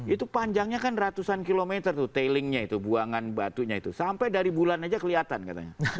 itu panjangnya kan ratusan kilometer tuh tailingnya itu buangan batunya itu sampai dari bulan aja kelihatan katanya